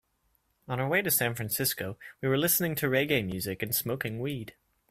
On our way to San Francisco, we were listening to reggae music and smoking weed.